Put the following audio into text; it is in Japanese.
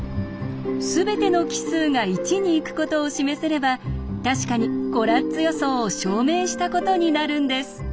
すべての奇数が１に行くことを示せれば確かにコラッツ予想を証明したことになるんです。